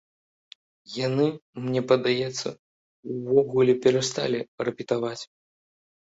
Яны, мне падаецца, увогуле перасталі рэпетаваць.